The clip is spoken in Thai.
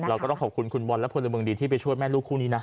เราก็ต้องขอบคุณคุณบอลและพลเมืองดีที่ไปช่วยแม่ลูกคู่นี้นะ